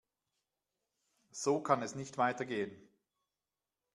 So kann es nicht weitergehen.